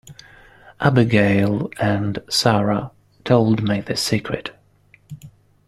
Abigail and Sara told me the secret.